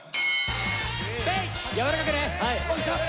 （やわらかくね！